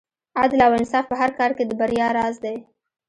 عدل او انصاف په هر کار کې د بریا راز دی.